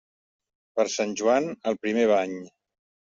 Per Sant Joan, el primer bany.